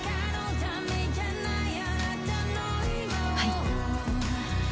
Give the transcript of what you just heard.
はい。